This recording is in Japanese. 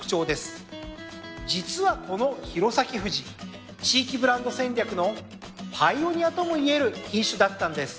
実はこのひろさきふじ地域ブランド戦略のパイオニアともいえる品種だったんです。